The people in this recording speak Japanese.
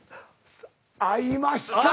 合いました！